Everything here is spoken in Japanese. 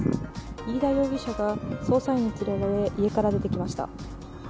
飯田容疑者が捜査員に連れられ、家から出てきました。